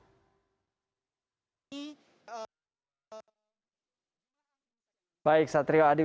dasar ini m informasi yang sekali membawa muzikica sendiri ke garage neant